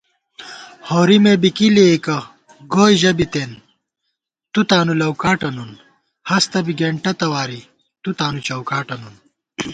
ہورِمے بی کی لېئیکہ گوئی ژہ بِتېن تُو تانُو لَؤکاٹہ نُن * ہستہ بی گېنٹہ تواری تُو تانُو چوکاٹہ نُن